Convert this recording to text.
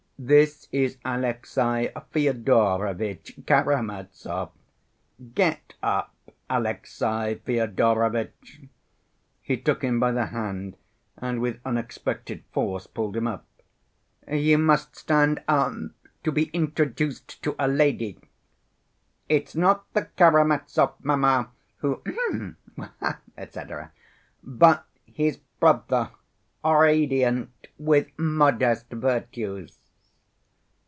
This is Alexey Fyodorovitch Karamazov. Get up, Alexey Fyodorovitch." He took him by the hand and with unexpected force pulled him up. "You must stand up to be introduced to a lady. It's not the Karamazov, mamma, who ... h'm ... etcetera, but his brother, radiant with modest virtues.